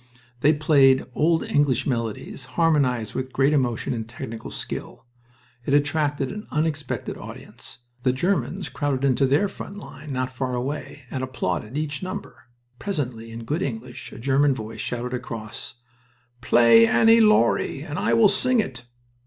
They played old English melodies, harmonized with great emotion and technical skill. It attracted an unexpected audience. The Germans crowded into their front line not far away and applauded each number. Presently, in good English, a German voice shouted across: "Play 'Annie Laurie' and I will sing it."